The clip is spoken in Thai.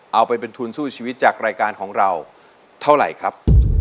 เอาไปเป็นทุนสู้ชีวิตจากรายการของเราเท่าไหร่ครับ